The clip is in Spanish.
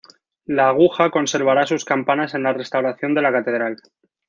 La aguja conservará sus campanas en la restauración de la catedral.